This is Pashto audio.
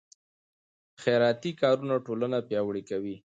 خیراتي کارونه ټولنه پیاوړې کوي.